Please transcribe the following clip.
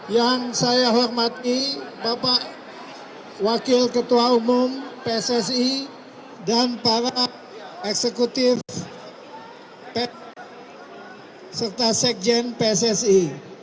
yang saya hormati bapak wakil ketua umum pssi dan para eksekutif serta sekjen pssi